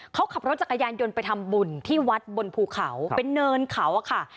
เขาขับรถจักรยานยนต์ไปทำบุญที่วัดบนภูเขาเป็นเนินเขาอะค่ะ